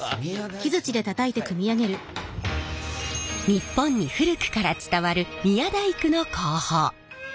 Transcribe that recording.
日本に古くから伝わる宮大工の工法。